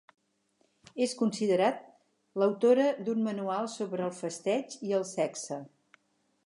És considerat l'autora d'un manual sobre el festeig i el sexe.